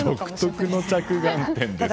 独特の着眼点ですけどね。